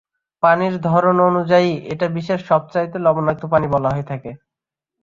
পানির ধরন অনুযায়ী এটা বিশ্বের সবচাইতে লবণাক্ত পানি বলা হয়ে থাকে।